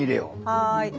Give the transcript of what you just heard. はい。